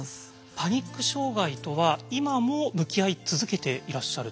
パニック障害とは今も向き合い続けていらっしゃるという。